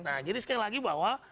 nah jadi sekali lagi bahwa